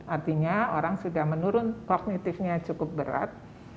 artinya orang sudah menurun kognitifnya cukup berat